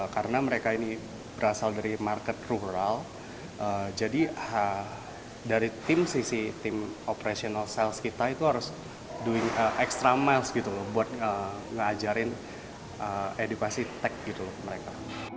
karena mereka ini berasal dari market rural jadi dari tim sisi tim operational sales kita itu harus doing extra miles gitu loh buat ngajarin edukasi tech gitu loh mereka